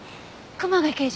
熊谷刑事！